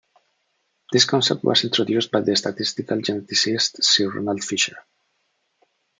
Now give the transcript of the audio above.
This concept was introduced by the statistical geneticist Sir Ronald Fisher.